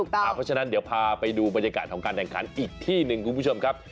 เพราะฉะนั้นเดี๋ยวพาไปดูบรรยากาศของการแข่งขันอีกที่หนึ่งคุณผู้ชมครับ